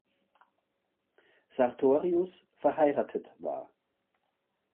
Sartorius, verheiratet war.